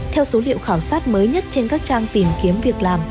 theo số liệu khảo sát mới nhất trên các trang tìm kiếm việc làm